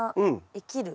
生きる。